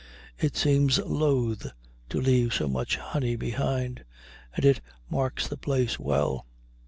It seems loath to leave so much honey behind, and it marks the place well.